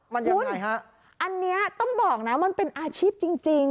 มันยังไงฮะอันนี้ต้องบอกนะมันเป็นอาชีพจริงจริง